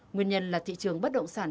nguyên nhân là thị trường bất động sản